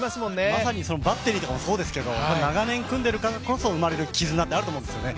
まさにバッテリーとかもそうですけど長年組んでいるからこそ生まれる絆があると思うんですよね。